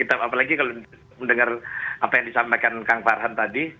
apalagi kalau mendengar apa yang disampaikan kang farhan tadi